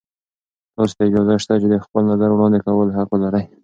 تاسې ته اجازه شته چې د خپل نظر وړاندې کولو حق ولرئ.